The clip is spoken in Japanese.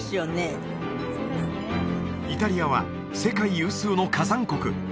イタリアは世界有数の火山国